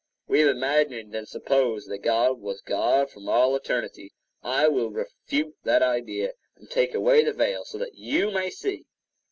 We have imagined and supposed that God was God from all eternity. I will refute that idea, and take away the veil, so that you may see.